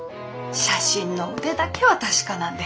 写真の腕だけは確かなんで！